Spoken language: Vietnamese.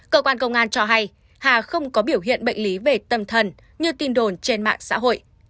cơ quan công an cho hay hà không có biểu hiện bệnh lý về tâm thần như tin đồn trên mạng xã hội